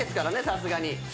さすがに。